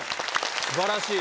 ・素晴らしい。